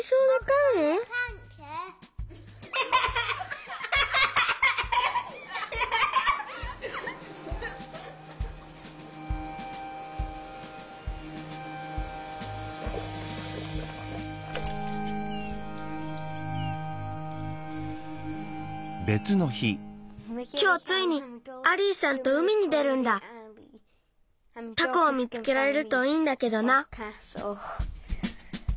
タコを見つけられるといいんだけどな。